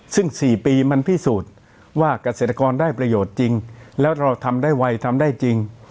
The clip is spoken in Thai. ซึ่ง๔ปีมันพิสูจน์ว่าเกษตรกรได้ประโยชน์จริงแล้วเราทำได้ไวทำได้จริง